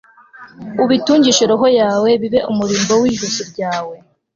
ubitungishe roho yawe, bibe umurimbo w'ijosi ryawe